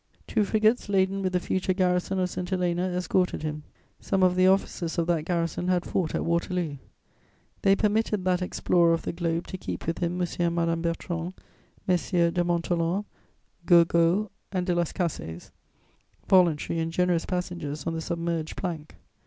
Two frigates laden with the future garrison of St. Helena escorted him. Some of the officers of that garrison had fought at Waterloo. They permitted that explorer of the globe to keep with him M. and Madame Bertrand, Messieurs de Montholon, Gourgaud and de Las Cases, voluntary and generous passengers on the submerged plank.